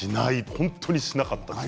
本当にしなかったんです。